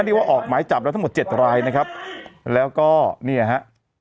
ออกหมายจับแล้วทั้งหมดเจ็ดรายนะครับแล้วก็เนี่ยฮะ